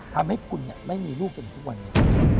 ทำให้คุณไม่มีลูกจนทุกวันนี้